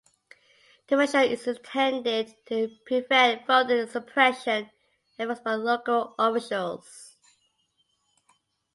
The measure is intended to prevent voter suppression efforts by local officials.